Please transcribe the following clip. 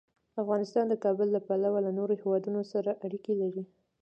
افغانستان د کابل له پلوه له نورو هېوادونو سره اړیکې لري.